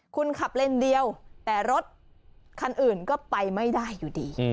คุณขับเลนเดียวแต่รถคันอื่นก็ไปไม่ได้อยู่ดี